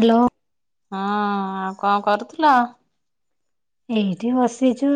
Hello. ହଁ ଆଉ କଣ କରୁଥିଲ? ଏଇଠି ବସିଛୁ।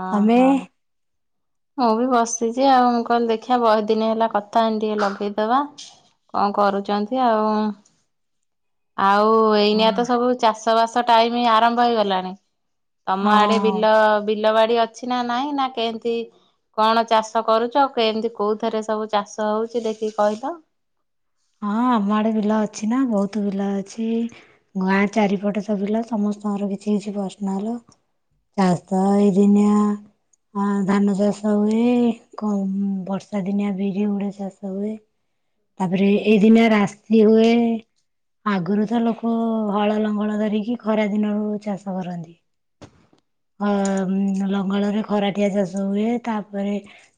ଅ ତମେ? ହୋ। ମୁଁ ବି ବସିଛି ଆଉ ମୁଁ କହିଲି ଦେଖିବା ବହୁତ ଦିନ ହେଲା କଥା ହେଇନି ଟିକେ ଲଗେଇଦବା ଙ୍କ କରୁଛନ୍ତି ଆଉ। ଆଉ ହଁ। ଏଇନିଆ ତ ସବୁ ଚାଷ ବା ଟାଇମି ଆରମ୍ଭ ହେଇଗଲାଣି। ତମ ହଁ ଆଡେ ବିଲ ବି ବିଲ ବାଡି ଅଛି ନା ନାଇଁ ନା କେମତି କଣ ଚାଷ କରୁଚ ଆଉ କେମିତି କୋଉଥିରେ ସବୁ ଚାଷ ହଉଛି ଦେଖିକି କହିଲ। ହଁ ଆମ ଆଡେ ବିଲ ଅଛି ନା ବହୁତ ବିଲ ଅଛି ଗାଁ ଚାରିପଟେ ତ ବିଲ ସମସ୍ତଙ୍କର କିଛି କିଛି ପସନାଲ ଚାଷ ଏଇ ଦିନିଆ ଧାନ ଆଁ ଚାଷ ହୁଏ କ ମ ବର୍ଷା ଦିନିଆ ବିରି ମୁଡା ଚାଷ ହୁଏ। ତାପରେ ଏ-ଏଇଦିନିଆ ରାଶି ହୁଏ ଆଗରୁ ତ ଲୋକ ହଳ ଲଙ୍ଗଳ ଧରିକି ଖରା ଦିନରୁ ଚାଷ କରନ୍ତି। ଅ ମ ଲଙ୍ଗଲରେ ଖରାଟିଆ ଚାଷ ହୁଏ ତାପରେ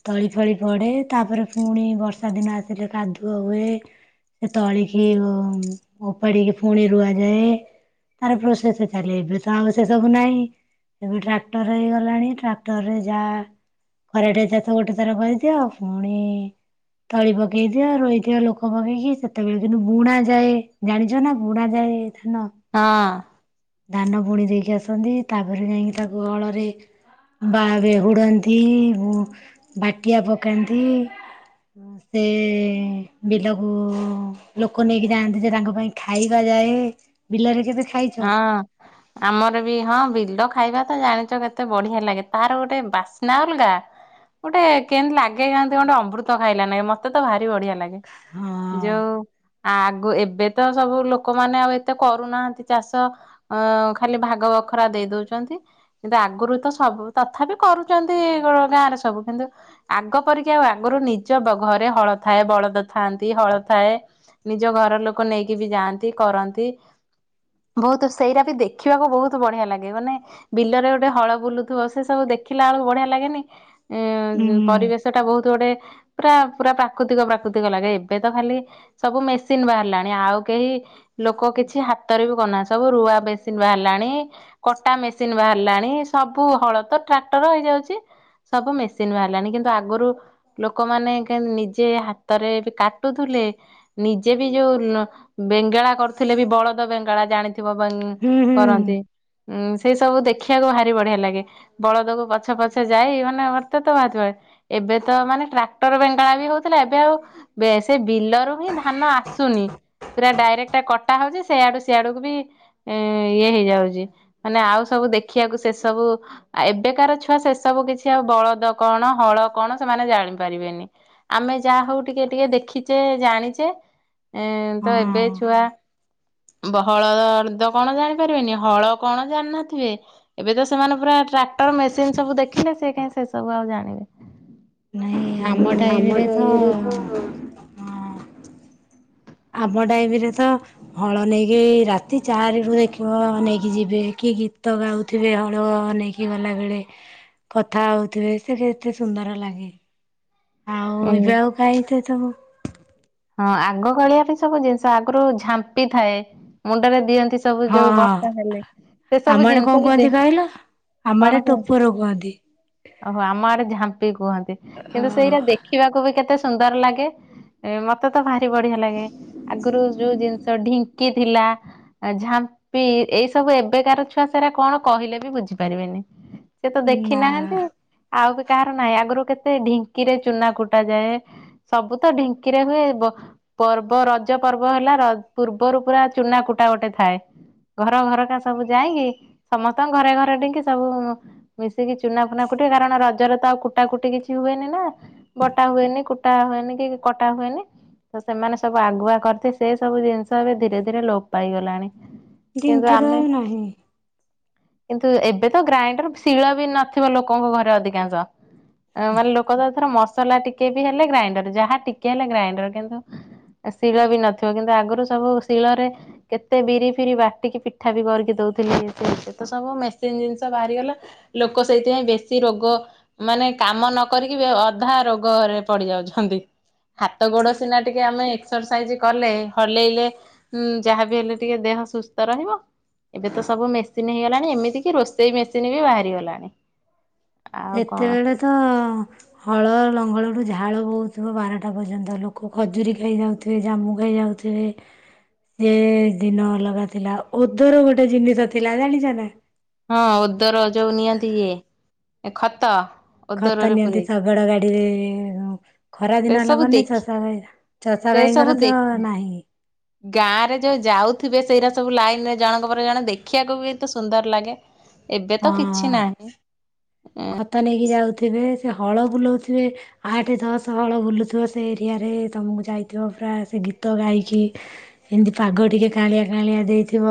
ତଳି ଫଳି ପଡେ ତାପରେ ପୁଣି ବର୍ଷା ଦିନ ଆସିଲେ କାଦୁଅ ହୁଏ ସେ ତଳିକି ଓମ ଓପାଡିକି ପୁଣି ରୁଆଯାଏ ତାର ପ୍ରୋସେସ ଚାଲେ ଏବେ ତ ଆଉ ସେ ସବୁ ନାଇ। ଏବେ ଟ୍ରାକ୍ଟର ହେଇଗଲାଣି ଟ୍ରାକ୍ଟର ରେ ଯାହା ଖରାଟେ ଚାଷ ଗୋଟେ ଥର କରିଦିଅ ପୁଣି ତଳି ପକେଇ ଦିଅ ରହିଥିବ ଲୋକ ପକେଇକି ସେତେବେଳେ କିନ୍ତୁ ବୁଣା ଯାଏ ଜାଣିଛ ନା ବୁଣା ଯାଏ। ଧାନ ହଁ ଧାନ ବୁଣି ଦେଇକି ଆସନ୍ତି ତାପରେ ଯାଇକି ତାକୁ ହଳରେ ବାରେ ହୁଡନ୍ତି ବୁ ବାଟିଆ ପକାନ୍ତି ଅ ସେ ବିଲକୁ ଲୋକ ନେଇକି ଯାଆନ୍ତି ଯେ ତାଙ୍କ ପାଇଁ ଖାଇବା ଯାଏ ବିଲରେ କେବେ ଖାଇଛ? ହଁ ଆମର ବି ହଁ ବିଲ ଖାଇବା ତ ଜାଣିଛ କେତେ ବଢିଆ ଲାଗେ ତାର ଗୋଟେ ବାସ୍ନା ଅଲଗା ଗୋଟେ କେମତି ଲାଗେ କେମତି ଗଣ୍ଡ ଅମ୍ବୃତ ଖାଇଲା ନେ ମତେ ତ ଭାରି ବଢିଆ ଲାଗେ। ହଁ ଯୋଉ। ଆଗୁ ଏବେ ତ ସବୁ ଲୋକମାନେ ଆଉ ଏତେ କରୁନାହାନ୍ତି। ଚାଷ ଅ ଖାଲି ଭାଗ ବଖରା ଦେଇ ଦଉଚନ୍ତି କିନ୍ତୁ ଆଗରୁ ତ ସବୁ ତଥାପି କରୁଚନ୍ତି ଅ ଗାଁରେ ସବୁ କିନ୍ତୁ ଆଗ ପରିକି ଆଉ ଆଗରୁ ନିଜ ବ ଘରେ ହଳ ଥାଏ ବଳଦ ଥାଆନ୍ତି ହଳ ଥାଏ ନିଜ ଘର ଲୋକ ନେଇକି ବି ଯାଆନ୍ତି କରନ୍ତି। ବହୁତୁ ସେଇରାବି ଦେଖିବାକୁ ବହୁତୁ ବଢିଆ ଲାଗେ ମାନେ ବିଲରେ ଗୋଟେ ହଳ ବୁଲୁଥୁବ ସେ ସବୁ ଦେଖିଲା ବେଳକୁ ବଢିଆ ଲାଗେନି। ଏଁ ହୁଁ ଜ ପରିବେଶ ଟା ବହୁତୁ ଗୋଟେ। ପୁରା ପୁରା ପ୍ରାକୃତିକ ପ୍ରାକୃତିକ ଲାଗେ ଏବେ ତ ଖାଲି ସବୁ ମେସିନ ବାହାରିଲାଣି ଆଉ କେହି ଲୋକ କିଛି ହାତରେ ବି ବନା ସବୁ ରୁଆ ବେସିନ ବାହାରିଲାଣି କଟା ମେସିନ ବାହାରିଲାଣି ସବୁ ହଳ ତ ଟ୍ରାକ୍ଟର ହେଇଯାଉଚି ସବୁ ମେସିନ ବାହାରିଲାଣି କିନ୍ତୁ ଆଗରୁ ଲୋକମାନେ କେନ ନିଜେ ହାତରେ ବି କାଟୁଥୁଲେ ନିଜେ ବି ଯୋଉ ଲ ବେଙ୍ଗେଳା କରୁଥିଲେ ବି ବଳଦ ବେଙ୍ଗ ଗଳା ଜାଣି ଥି ଥିବ ହୁଁ ହୁଁ ବଂ-କରନ୍ତି ଉଁ ସେଇ ସବୁ ଦେଖି ଦେଖିବାକୁ ଭାରି ବଢିଆ ଲାଗେ ବଳଦକୁ ପଛେ ପଛେ ଯାଇ ମାନେ ମର୍ତେ ତ ଭାରି ବ-ଏବେ ତ ମାନେ ଟ୍ରାକ୍ଟର୍ ବେଙ୍ଗେଳା ବି ହଉଥିଲା ଏବେ ଆଉ ବେ-ସେ ବିଲରୁ ହିଁ ଧାନ ଆସୁନି ପୁରା ଡାଇରେକ୍ଟ କଟା ହଉଚି ସେଇଆଡୁ ସିଆଡୁକୁ ବି ଇଁ ଇଏ ହେଇଯାଉଚି ମାନେ ଆଉ ସବୁ ଦେଖିବାକୁ ସେ ସବୁ ଏବେକାର ଛୁଆ ସେ ସବୁ କିଛି ଆଉ ବଳଦ କଣ ହଳ କଣ ସେମାନେ ଜାଣିପାରିବେନି ଆମେ ଯାହା ହଉ ଟିକେ ଟିକେ ଦେଖିଚେ ଜାଣିଚେ। ଏଁ ତ ଏବେ ହଁ ଛୁଆ। ବହଳଦ-ଅଦ୍ର କଣ ଜାଣିପାରିବେନି ହଳ କଣ ଜାଣିିନଥିବେ ଏବେ ତ ସେମାନେ ପୁରା ଟ୍ରାକ୍ଟର ମେସିନ୍ ସବୁ ଦେଖିଲେ ସେ କାଇଁ ସେ ସବୁ ଆଉ ଜାଣିବେ। ନାଇଁ ଆମ ଟାଇମିରେ ତଅ ହଁ ଆମ ଟାଇମିରେ ତ ହଳ ନେଇକି ରାତି ଚାଆରିରୁ ଦେଖିବ ନେଇକି ଯିବେ କି ଗୀତ ଗାଉଥିବେ ହଳୁଅ ନେଇକି ଗଲା ବେଳେ କଥା ହଉଥିବେ ସେ କେତେ ସୁନ୍ଦର ଲାଗେ। ଆଉ ଉଁ। ଏବେ ଆଉ ଖାଇଥ କାମ । ହଁ ଆଗ କାଳିଆ ବି ସବୁ ଜିନିଷ ଆଗରୁ ଝାମ୍ପି ଥାଏ ମୁଣ୍ଡରେ ଦିଅନ୍ତି ସେ-ସବୁ ହଁ ଯୋଉ ହଁ ବର୍ଷା ହେଲେ ସେ ଆମ ସବୁ ଆଡେ ଜିନିଷ କଣ ବି କୁହନ୍ତି କହିଲ ଆମ ଆଡେ ଦେ-କଣ କୁଁ ଟୋପର କୁହନ୍ତି ଓହୋ ଆମ ଆଡେ ଝାମ୍ପି କୁହନ୍ତି ଅ କିନ୍ତୁ ସେଇଟା ଦେଖିବାକୁ ବି କେତେ ସୁ ସୁନ୍ଦର ଲାଗେ ଏ ମତେ ତୁ ତ ଭା ବଢିଆ ଲାଗେ ଆଗରୁ ଯୋଉ ଜିନିଷ ଢିଙ୍କ କିି ଥିଲା ଝାମ୍ପି ଏଇ ସବୁ ଏବେକାର ଛୁଆ ସେରା କଣ କହିଲେ ବି ବୁଝିପାରିବେନି। ସେ ତ ଦେଖି ନା ନାହାନ୍ତି ଆଉ କି କାହାର ନାହିଁ ଆଗରୁ କେତେ ଢିଙ୍କିରେ ଚୁନା କୁଟା ଯାଏ ସବୁ ତ ଢିଙ୍କିରେ ହୁଏ ବ-ପର୍ବ ରଜ ପର୍ବ ହେଲା ର -ପୂର୍ବରୁ ପୁରା ଚୁନା କୁଟା ଗୋଟେ ଥାଏ ।ଘର ଘରକା ସବୁ ଯାଇଁକି ସମସ୍ତଙ୍କ ଘରେ ଘରେ ଢିଙ୍କି ସବୁ ମିଶିକି ଚୁନା ଫୁନା କୁଟିବେ କାରଣ ରଜରେ ତ ଆଉ କୁଟା କୁଟି କିଛି ହୁଏନି ନା ବଟା ହୁଏନି କୁଟା ହୁଏନି କି କଟା ହୁଏନି ତ ସେମାନେ ସବୁ ଆଗୁଆ କରତି ସେ ସବୁ ଜିନିଷ ଏବେ ଧୀରେ ଧୀରେ ଲୋପ୍ ପାଇଗଲାଣି। କିନ୍ତୁ ଢିଙ୍କି ତ ଆମେ ଆଉ ନାହିଁ। କିନ୍ତୁ ଏବେ ତ ଗ୍ରାଇଣ୍ଡର୍ ଶିଳ ବି ନଥିବ ଲୋକଙ୍କ ଘରେ ଅଧିକାଂଶ। [unintelligible] ଲୋକ ତ ଥର ମସ୍ ମସଲା ଟିକେ ବି ହେଲେ ଗ୍ରାଇଣ୍ଡର ଯାହା ଟିକେ ହେଲେ ଗ୍ରାଇଣ୍ଡର। କିନ୍ତୁ ଶିଳ ବି ନଥିବ କିନ୍ତୁ ଆଗରୁ ସବୁ ଶିଳରେ କେତେ ବିରି ଫିରି ବାଟିକି ପିଠା ବି କରିକି ଦଉଥିଲି ଏତେ ଏତ-ସବୁ ମେସିନ୍ ଜିନିଷ ବାହାରିଗଲା ଲୋକ ସେଇଥିପାଇଁ ବେଶୀ ରୋଗ ମାନେ କାମ ନ କରିକି ବି ଅଧା ରୋଗରେ ପଡିଯାଉଛନ୍ତି। ହାତ ଗୋଡ ସ୍ ଯଦି ଆମେ ଏକ୍ସରସାଇଜ କଲେ ହଲେଇଲେ ଉଁ ଯାହା ବିି ହେଲେ ଟିକେ ଦେହ ସୁସ୍ଥ ରହିବ ଏବେ ତ ସବୁ ମେସିନ ହେଇଗଲାଣି ଏମିତି କିି ରୋଷେଇ ମେସିନ ବି ବାହାରି ଗଲାଣି। ଯେତେବେଳେ ତ ହଳ ଲଙ୍ଗଳ ରୁ -ଝାଳ ବୋହୁଥିବ ବାରଟା ପର୍ଯ୍ୟନ୍ତ ଲୋକ ଖଜୁରୀ ଖାଇଯାଉଥିବେ ଜାମୁ ଖାଇଯାଉଥିବେ ସେଏ ଦିନ ଅଲଗା ଥିଲା ଓଦର ଗୋଟେ ଜିନିଷ ଥିଲା ଜାଣିଚ ନା? ହଁ ଓଦର ଯଉ ନିଅନ୍ତି। ଏ ଖତ ଖତ ଓଦରରେ ନିଅନ୍ତି ପୁରେଇକି ଶଗଡ ଗାଡିରେ, ଖରା ସେ ଦିନ ହେଲା ସବୁ ମାନେେ ଦେଖି ଚଷା ଭାଇ, ଚଷା ସେ ସବୁ ଭାଇଙ୍କର ଦେ ତ ନାହିଁ ଗାଁ ରେ ଯୋଉ ଯାଉଥିବେ ସେଇଗୁରା ସବୁ ଲାଇନରେ ଜଣଙ୍କ ପରେ ଜଣେ ଦେଖିବାକୁ ବିତ କେତେ ସୁନ୍ଦର ଲାଗେ। ଏବେ ତ କିଛି ହଁ ନାହିଁ। ଥିବେ ସେ ହଳ ବୁଲଉଥିବେ ଆଠେ, ଦଶ ହଳ ବୁଲୁଥିବ ସେ ଏରିଆରେ, ତମକୁ ଯାଇଥିବ ପୁରା ସେ ଗୀତ ଗାଇକି ଏମିତି ପାଗ ଟିକେ କାଆଁଳିଆ କାଆଁଳିଆ ଦେଇଥିବ,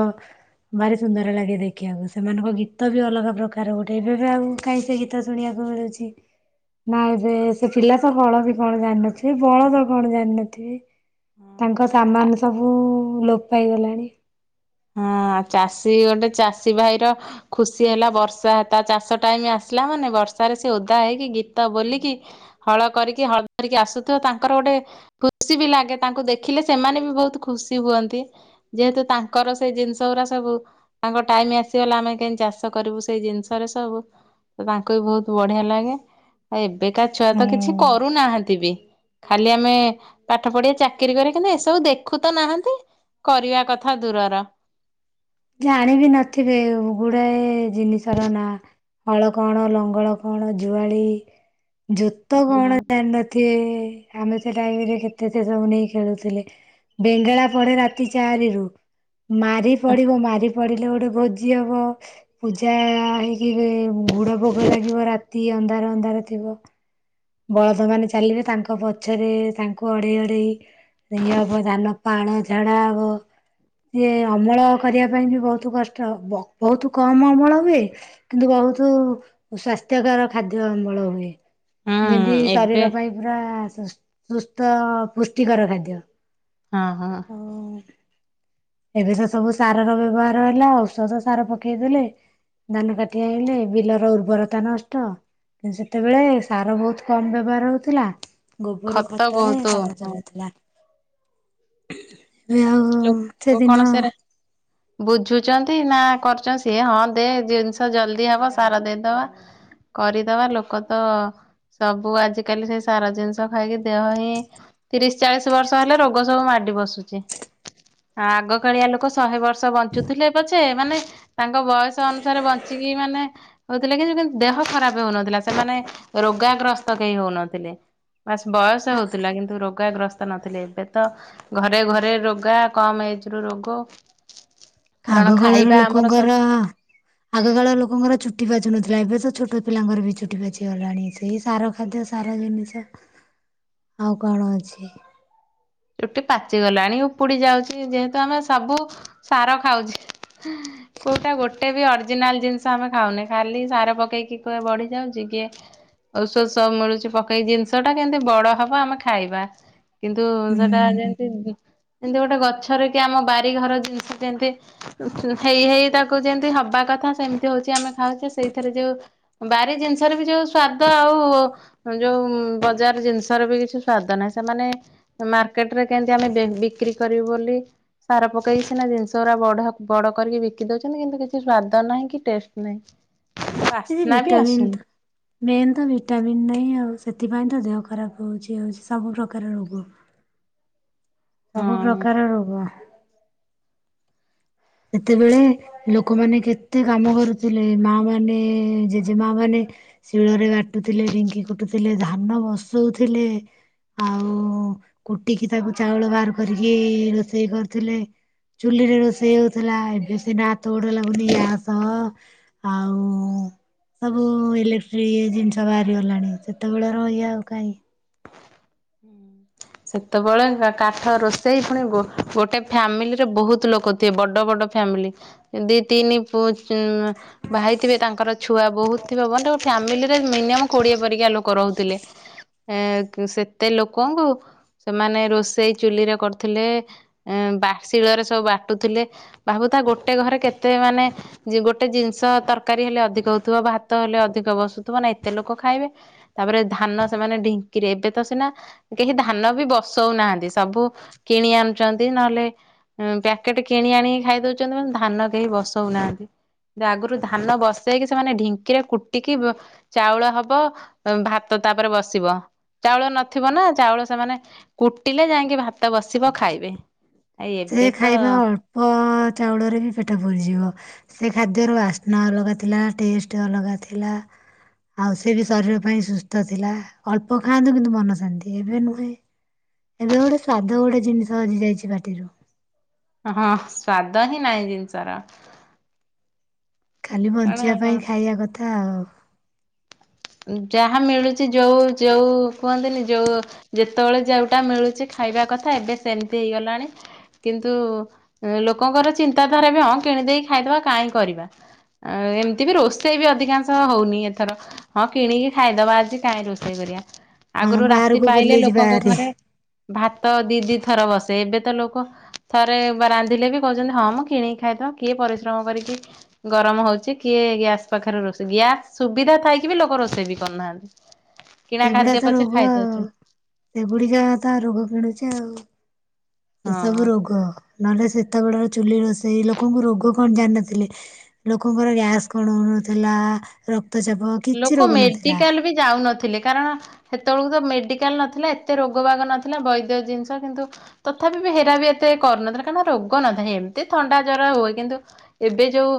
ଭାରି ସୁନ୍ଦର ଲାଗେ ଦେଖିବାକୁ ସେମାନଙ୍କ ଗୀତ ବି ଅଲଗା ପ୍ରକାର ଗୋଟେ ଏବେବିଆଉ କାଇଁ ସେ ଗୀତ ଶୁଣିବାକୁ ମିଳୁଛି, ନା ଏବେ ସେ ପିଲା ତ ହଳ ବି କଣ ଜାଣିନଥିବେ ବଳଦ କଣ ଜାଣିନଥିବେ। ତାଙ୍କ ସାମାନ ସବୁ ଲୋପ୍ ପାଇଗଲାଣି। ହଁ। ଚାଷୀ ଗୋଟେ ଚାଷୀ ଭାଇ ର ଖୁସି ହେଲା ବର୍ଷା ତା ଚାଷ ଟାଇମ ଆସିଲା ମାନେ ବର୍ଷାରେ ସେ ଓଦା ହେଇକି ଗୀତ ବୋଲିକି ହଳ କରିକି ହଳ ଧରିକି ଆସୁଥିବ ତାଙ୍କର ଗୋଟେ ଖୁସି ବି ଲାଗେ ତାଙ୍କୁ ଦେଖିଲେ ସେମାନେ ବି ବହୁତ ଖୁସି ହୁଅନ୍ତି। ଯେହେତୁ ତା କର ସେଇ ଜିନିଷ ଗୁରା ସବୁ ତାଙ୍କ ଟାଇମି ଆସିଗଲା ଆମେ କେମତି ଚାଷ କରିବୁ ସେଇ ଜିନିଷରେ ସବୁ ତାଙ୍କୁ ବି ବହୁତ ବଢିଆ ଲାଗେ। ଆଉ ଏବେକା ଛୁଆ ତ କିଛି କରୁନାହାନ୍ତି ବି, ଖାଲି ଆମେ ପାଠ ପଢିବା ଚାକିରି କରେ କିନ୍ତୁ ଏସବୁ ଦେଖୁ ତ ନାହାନ୍ତି କରିବା କଥା ଦୂରର। ଜାଣିବି ନଥିବେ ଗୁଡାଏ ଜିନିଷର ନାଁ। ହଳ କଣ? ଲଙ୍ଗଳ କଣ? ଜୁଆଳି ଜୋତ କଣ ଜାଣିନଥିବେ? ଆମେ ସେ ଟାଇମରେ କେତେ ସେ ସବୁ ନେଇ ଖେଳୁଥିଲେ, ବେଙ୍ଗେଳା ପଡେ ରାତି ଚାରି ରୁ। ମାରି ପଡିବ ମା ପଡିଲେ ଗୋଟେ ଭୋଜି ହବ। ପୂଜା ହେଇକି [unintelligible] ଗୁଡ ଭୋଗ ଲାଗିବ ରାତ୍ ତି ଅନ୍ଧାର ଅନ୍ଧାର ଥିବ। ବଳଦ ମାନେ ଚାଲିବେ। ତାଙ୍କ ପଛରେ ତାଙ୍କୁ ଅଡେଇ ଅଡେଇ ଇଏ ହବ ଧାନ ପାଳ ଝାଡା ହବ। ଇଏ ଅମଳ କରିବା ପାଇଁ ବି ବହୁତ କଷ୍ଟ। ବହୁତ କମ ଅମଳ ହୁଏ। କିନ୍ତୁ ବହୁତ ସ୍ଵାସ୍ଥ୍ୟକର ଖାଦ୍ୟ ଅମଳ ହୁଏ। ଯେମିତି ହୁଁ ଏବେ ଶରୀର ପାଇଁ ପୁରା ସୁସ୍ ସୁସ୍ ତ ପୁଷ୍ଟିକର ଖାଦ୍ୟ। ହଁ ହଁ। ଆଉ ଏବେ ତ ସବୁ ସାରର ବ୍ୟବହାର ହେଲା। ଔଷଧ ସାର ପକେଇଦେଲେ ଧାନ କାଟିଆଇଁଲେ ବିଲର ଉର୍ବରତା ନଷ୍ଟ, କିନ୍ତୁ ସେତେବେଳେ ସାର ବହୁତ୍ କମ୍ ବ୍ୟବହାର ହଉଥିଲା। ଗୋବର ଖତ ଖତରେ ବହୁତ କାମ ଚାଲିଥିଲା। ଉଉ ଏବେ ଆଉ ସେଦିନ ବୁଝୁଚନ୍ତି ନା କରୁଚନ୍ତି ସିଏ ହଁ ଦେ ଜିନିଷ ଜଲଦି ହବ ସାର ଦେଇଦବା କରିଦବା ଲୋକ ତ ସବୁ ଆଜିକାଲି ସେ ସାର ଜିନିଷ ଖାଇକି ଦେହ ହିଁ, ତିରିଶ ଚାଳିଶ ବର୍ଷ ହେଲେ ରୋଗ ସବୁ ମାଡି ବସୁଚି। ଆଗକାଳିଆ ଲୋକ ଶହେ ବର୍ଷ୍ ର୍ଷ ବଞ୍ଚୁଥିଲେ ପଛେ ମାନେ ତାଙ୍କ ବୟସ ଅନୁସାରେ ବଞ୍ଚିକି ମାନେ ହଉଥିଲେ କିନ୍ତୁ କିନ୍ତୁ ଦେହ ଖରାପେ ହଉନଥିଲା, ସେମାନେ ରୋଗାଗ୍ରସ୍ତ କେହି ହଉନଥିଲେ। ବାସ୍ ବୟସ ହଉଥିଲା କିନ୍ତୁ ରୋଗାଗ୍ରସ୍ ତ ନଥିଲେ ଏବେ ତ ଘରେ ଘରେ ରୋଗ୍ ଗା କମ୍ ଏଜ୍ ରୁ ରୋଗ। କାରଣ ଆଗ କାଳର ଖାଇବା ଆମର ଲୋକଙ୍କର ସବୁ ଆଗ କାଳ ଲୋକଙ୍କର ଚୁଟି ପାଚୁନଥିଲା ଏବେ ତ ଛୋଟ ଛୋଟ ପିଲାଙ୍କର ବି ଚୁଟି ପାଚି ଗଲାଣି। ସେଇ ସାର ଖାଦ୍ୟ ସାର ଜିନିଷ ଆଉ କଣ ଅଛି? ଚୁଟି ପାଚିଗଲାଣି। ଉପୁଡି ଯାଉଚି। ଯେହେତୁ ଆମେ ସବୁ ସାର ଖାଉଛେ କୋଉଟା ଗୋଟେ ବି ଅରିଜିନାଲ ଜିନିଷ ଆମେ ଖାଉନେ ଖାଲି ସାର ପକେଇକି କଏ ବଢି ଯାଉଚି କିଏ ଔଷଧ ସବୁ ମିଳୁଚି ପକେଇକି ଜିନିଷ ଟା କେମତି ବଡ ହବ ଆମେ ଖାଇବା। କିନ୍ତୁ ଉଁ ସେ [unintelligible] ଏମତି ଗୋଟେ ଗଛରେ କି ଆମ ବାରି ଘର ଜିନିଷ ଯେମିତି ହେଇ ହେଇ ତାକୁ ଯେମତି ହବା କଥା ସେମତି ହଉଛି ଆମେ ଖାଉଛେ ସେଇଥିରେ ଯୋଉ ବାରି ଜିନିଷର ବି ଯୋଉ ସ୍ଵାଦ ଆଉ ଯୋଉ ବଜାର ଜିନିଷର ବି କିଛି ସ୍ଵାଦ ନାହିଁ। ସେମାନେ ମାର୍କ କେଟରେ କେମିତି ଆମେ ବେ ବିକ୍ରି କରିବୁ ବୋଲି ସାର ପକେଇକି ସିନା ଜିନିଷ ଗୁରା ବଢ ବଡ କରିକି ବିକି ଦଉଛନ୍ତି କିନ୍ତୁ କିଛି ସ୍ଵାଦ ନାହିଁ କି ଟେଷ୍ଟ ନାହିଁ। କିନ୍ତୁ ବାସ୍ନା ବି ଭିଟାମିନ୍ ଆସୁନି ତ ମେନ୍ ତ ଭିଟାମିିନ୍ ନାହିଁ ଆଉ। ସେଥିପାଇଁ ତ ଦେହ ଖରାପ ହଉଛି ହଉଛି ସବୁ ପ୍ରକାର ରୋଗ। ସବୁ ହଁ। ପ୍ରକାର ରୋଗ। ସେତେବେଳେ ଲୋକମାନେ କେତେ କାମ କରୁଥିଲେ ମା ମାନେ ଜେଜେମା ମାନେ ଶିଳରେ ବାଟୁଥିଲେ ଢଙ୍କି କୁଟୁଥିଲେ ଧାନ ବସଉଥିଲେ ଆଉ କୁଟିକି ତାକୁ ଚାଉଳ ବାହାର କରିକି ରୋଷେଇ କରୁଥିଲେ ଚୁଲିରେ ରୋଷେଇଉ। ଥିଲା ଏବେ ସିନା ହାତ ଗୋଡ ଲାଗୁନି ଗ୍ୟାସ ଆଉ ସବୁ ଇଲେକ୍ଟ୍ରିକ ଜିନିଷ ବାହାରିଗଲାଣି ସେତେବେଳେ ରହ ଆଉ କାହିଁ ସେତେବେଳେ କାଠ ରୋଷେଇ ପୁଣି ଗୋଟେ ଫ୍ୟାମିଲିରେ ବହୁତ ଲୋକ ଥଏ ବଡ ବଡ ଫ୍ୟାମିଲି ଦି ତିନି ଉ ଭାଇ ଥିବେ ତାଙ୍କର ଛୁଆ ବହୁତ ଥିବ ମାନେ। ଫ୍ୟାମିଲିରେ ମିନିମମ୍ କୋଡିଏ ପରିକା ଲୋକ ରହୁଥିଲେ ଏ ସେ ଏତେ ଲୋକଙ୍କୁ ସେମାନେ ରୋଷେଇ ଚୁଲିରେ କରୁଥିଲେ ବା ଶିଳରେ ସବୁ ବାଟୁଥିଲେ ଭାବୁ ତା ଗୋଟେ ଘରେ କେତେ ମାନେ ଗୋଟେ ଜିନିଷ ତରକାରୀ ହେଲେ ଅଧିକ ହଉଥିବ ଭାତ ହେଲେ ଅଧିକ ବସୁଥିବ ନା ଏତେ ଲୋକ ଖାଇବେ ତାପରେ ଧାନ ସେମାନେ ଢିଙ୍କିରେ ଏବେ ତ ସିନା। କେହି ଧାନ ବି ବସଉନାହାନ୍ତି ସବୁ କିଣି ଆଣୁଛନ୍ତି ନହେଲେ ପ୍ୟାକେଟ କିଣି ଆଣିକି ଖାଇ ଦଉଛନ୍ତି ଧାନ କେହି ବସଉନାହାନ୍ତି ଆଗରୁ ଧାନ ବସେଇକି ସେମାନେ ଢିଙ୍କିରେ କୁଟିକି ଚାଉଳ ହବ ଭାତ ତାପରେ ବସିବ ଚାଉଳ ନ ଥିବ ନା ଚାଉଳ। ମାନେ କୁଟିଲେ ଯାଇି। ଭାତ ବସିବ ଖାଇବେ। ଆଉ ସେ ଏବେ ତ ଖାଇବା ଅଳ୍ପ ଚାଉଳରେ ବି ପେଟ ଭୁରିଯିବ। ସେ ଖାଦ୍ୟର ବାସ୍ନା ଅଲଗା ଥିଲା ଟେଷ୍ଟ ଅଲଗା ଥିଲା ଆଉ ସେ ବି ଶରୀର ପାଇଁ ସୁସ୍ଥ ଥିଲା ଅଳ୍ପ ଖାଆନ୍ତୁ କିନ୍ତୁ ମନ ଶାନ୍ତି ଏବେ ନୁହେଁ ଏବେ ଗୋଟେ ସ୍ଵାଦ ଗୋଟେ ଜିନିଷ ହଜିଯାଇଛି ପାଟିରୁ। ହଁ ସ୍ଵାଦ ହିଁ ନାହିଁ ଜିନିଷର। କାଲି ବଞ୍ଚିବା କାରଣ ପାଇଁ ଖାଇବା କଥା। ଆଃ। ଯାହା ମିଳୁଛି ଯୋଉ ଯୋଉ କୁହନ୍ତିନି ଯୋଉ ଯେତେବେଳେ ଯୋଉଟା ମିଳୁଛି ଖାଇବା କଥା ଏବେ ସେମିତି ହେଇଗଲାଣି କିନ୍ତୁ ଲୋକଙ୍କର ଚିନ୍ତାଧାରା ବି ହଁ କିଣିଦେଇକ ଖାଇଦବା କାହିଁ କରିବା ଏମିତି ବି ରୋଷେଇ ବି ଅଧିକାଂଶ ହଉନି ଏଥର। ହଁ କିଣିକି ଖାଇଦବା ଆଜି କାହିଁ ରୋଷେଇ କରିବା। ହଁ ଆଗରୁ ରାତି ବାହାରକୁ ପାଇଲେ ବୁଲିଯିବା ଲୋକଙ୍କ ଆର। ଘରେ ଭାତ ଦି ଦି ଥର ବସେ ଏବେ ତ ଲୋକ ଥରେ ରାନ୍ଧିଲେ ବି କହୁଛନ୍ତି ହଁ ମୁଁ କିଣିକି ଖାଇଦ କିଏ ପରିଶ୍ରମ କରିକି ଗରମ ହଉଛି କିଏ ଗ୍ୟାସ୍ ପାଖରେ ରୋ ଗ୍ୟାସ ସୁବିଧା ଥାଇି। କେବେ ଲୋକ ରୋଷେଇ ବି କରୁନାହାନ୍ତି। କିଣା ସେଗୁଡା ଖାଦ୍ୟ ତ ପଛେ ରୋଗ ଖାଇଦଉଛନ୍ତି ସେଗୁଡିକା ତ ରୋଗ କିଣୁଛି ଆଉ। ଏ ସବ ହଁ। ରୋଗୋଗ। ନହେଲେ ସେତେବେଳର ଚୁଲି ରୋଷେଇ ଲୋକଙ୍କୁ ରୋଗ କଣ ଜାଣିନଥିଲଥିଲେ ଲୋକଙ୍କର ଗ୍ୟାସ୍ କଣ ହେନଥିଲାକ୍ତ। ଲୋକ ମେଡିକାଲ ବି ଯାଉନଥିଲେ। କାରଣ ସେତେବେଳକୁ ତ ମେଡ଼ିକାଲ ନଥିଲା ଏତେ ରୋଗ ବାଗ ନଥିଲା ବୈଦ୍ୟ ଜିନିଷ କିନ୍ତୁ ତଥାପି ବି ହେରା ବି ଏତେ କରୁନଥିଲା କାରଣ ରୋଗ ନଥାଏ ଏମିତି ଥଣ୍ଡା ଜ୍ର ହୁଏ କିନ୍ତୁ ଏବେ ଯେଉଁ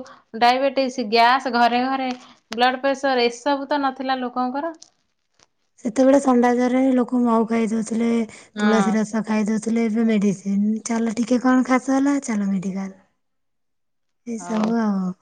ଡାଇବେଟିସ୍ ଗ୍ୟାସ୍ ଘରେ ଘରେ ବ୍ଲଡ଼ ପ୍ରସର ଏସବୁ ତ ନଥିଲା ଲୋକଙ୍କର। ସେତେବେଳେ ଣ୍ଡାଜରେ ଲୋକ ମଉ ଖାଇ ଦନ୍ତି? ଥିଲେ ହଁ ତୁଳସୀ ରସ ଖାଇଉ। ଏବେ ମେଡିସିନ ଚାଲ ଟିକେ କଣ ଖାସ ହେଲା ଚାଲ ମେଡିକାଲ। ହଉ। ଏସବୁ ଆଉ।